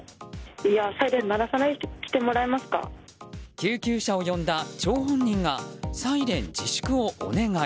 救急車を呼んだ張本人がサイレン自粛をお願い。